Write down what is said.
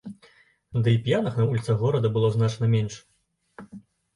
Ды і п'яных на вуліцах горада было значна менш.